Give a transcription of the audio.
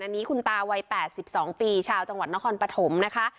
อันนี้คุณตาวัย๘๒ปีชาวจังหวัดนครปฐมนะคะ